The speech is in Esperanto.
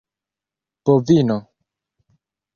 bovino